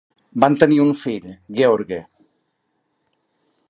Van tenir un fill, Gheorghe.